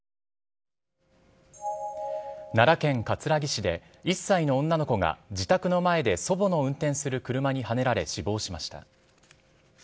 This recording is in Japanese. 奈良県葛城市で１歳の女の子が自宅の前で祖母の運転する車にはねられ、死亡しました。